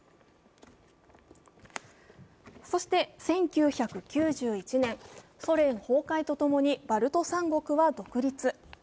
そして１９９１年、ソ連崩壊と共にバルト三国は独立。